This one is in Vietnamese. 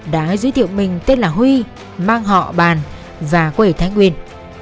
đã giới thiệu mình tên là huy mang họ bàn và quê ở thái nguyên